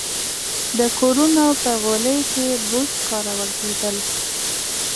د کورونو په غولي کې بوس کارول کېدل.